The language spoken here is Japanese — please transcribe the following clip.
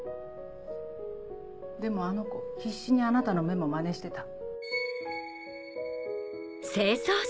でもあの子必死にあなたのメモマネしてた。